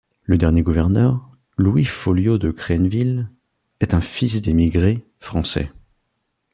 Le dernier gouverneur, Louis Folliot de Crenneville, est un fils d'émigré français.